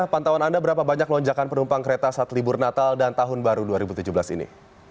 pantauan anda berapa banyak lonjakan penumpang kereta saat libur natal dan tahun baru dua ribu tujuh belas ini